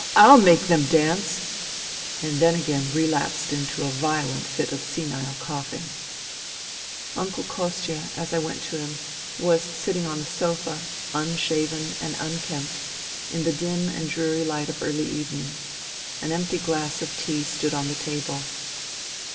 I'll make them dance !" and then again relapsed into a violent fit gf senile coughing, y NINA 245 Uncle Kostia, as I went to him, was sitting on the sofa, unshaven and unkempt, in the dim and dreary hght of early evening. An empty glass of tea stood on the table.